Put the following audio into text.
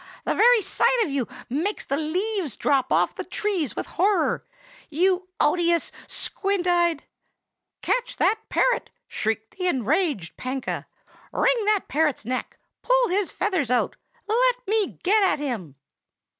The very sight of you makes the leaves drop off the trees with horror. You odious, squint eyed—' "'Catch that parrot!' shrieked the enraged Panka. 'Wring that parrot's neck! Pull his feathers out! Let me get at him!